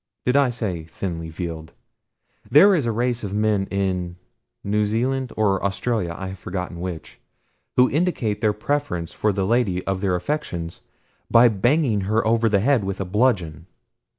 Did I say thinly veiled? There is a race of men in New Zealand, or Australia, I have forgotten which, who indicate their preference for the lady of their affections by banging her over the head with a bludgeon.